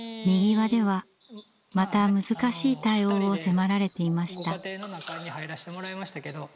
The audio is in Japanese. みぎわではまた難しい対応を迫られていました。